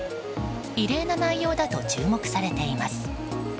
異例な内容だと注目されています。